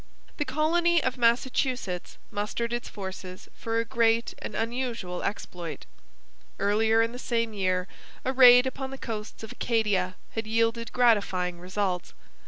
The colony of Massachusetts mustered its forces for a great and unusual exploit. Earlier in the same year a raid upon the coasts of Acadia had yielded gratifying results.